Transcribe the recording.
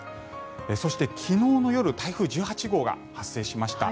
そして、昨日の夜台風１８号が発生しました。